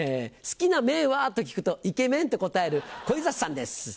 「好きな麺は？」と聞くと「イケメン」って答える小遊三さんです。